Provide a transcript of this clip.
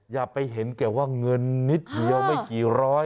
อย่าไปเห็นแก่ว่าเงินนิดเดียวไม่กี่ร้อย